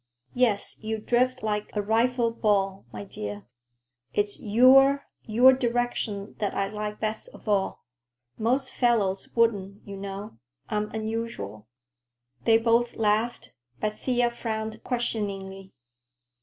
"Yes, you drift like a rifle ball, my dear. It's your—your direction that I like best of all. Most fellows wouldn't, you know. I'm unusual." They both laughed, but Thea frowned questioningly.